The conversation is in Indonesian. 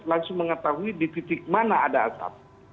langsung mengetahui di titik mana ada asap